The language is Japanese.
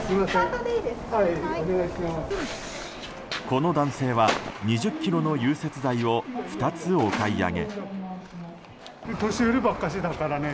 この男性は２０ｋｇの融雪剤を２つお買い上げ。